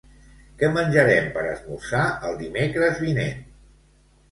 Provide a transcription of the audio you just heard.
Què menjarem per esmorzar el dimecres vinent?